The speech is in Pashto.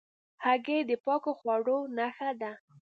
هګۍ د پاکو خواړو نښه ده.